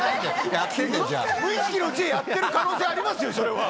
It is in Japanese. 無意識のうちにやっている可能性はありますよ、それは。